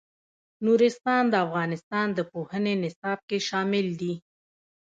نورستان د افغانستان د پوهنې نصاب کې شامل دي.